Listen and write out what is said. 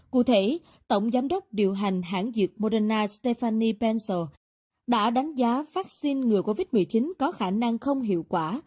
cụ thể tổng giám đốc điều hành hãng dược moderna stéphanny pencial đã đánh giá vaccine ngừa covid một mươi chín có khả năng không hiệu quả